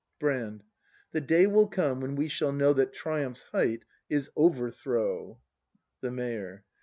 Brand. The day will come when we shall know That triumph's height is Overthrow. The Mayor.